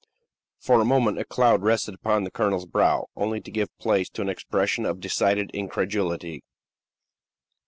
For a moment a cloud rested upon the colonel's brow, only to give place to an expression of decided incredulity.